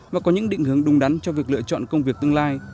và có những định hướng đúng đắn cho việc lựa chọn công việc tương lai